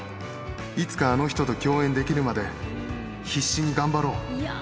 いつかあの人と共演できるまで、必死に頑張ろう。